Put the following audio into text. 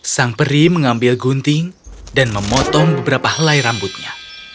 sang peri mengambil gunting dan memotong beberapa helai rambutnya